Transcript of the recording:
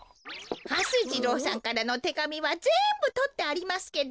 はす次郎さんからのてがみはぜんぶとってありますけど